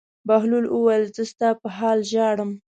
بهلول وویل: زه ستا په حال ژاړم.